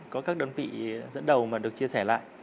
có các đơn vị dẫn đầu mà được chia sẻ lại